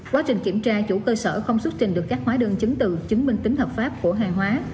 quá trình kiểm tra chủ cơ sở không xuất trình được các hóa đơn chứng từ chứng minh tính hợp pháp của hàng hóa